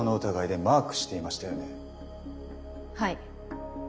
はい。